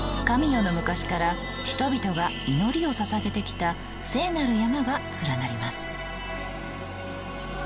神代の昔から人々が祈りをささげてきた聖なる山が連なります。